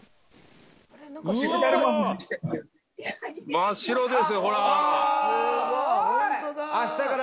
真っ白ですよほら。